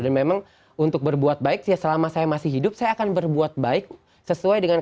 dan memang untuk berbuat baik selama saya masih hidup saya akan berbuat baik sesuai dengan